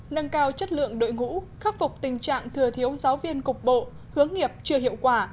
nâng cao chất lượng đội ngũ khắc phục tình trạng thừa thiếu giáo viên cục bộ hướng nghiệp chưa hiệu quả